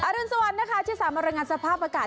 อรุณสวรรค์นะคะที่สามารถรังงานสภาพอากาศ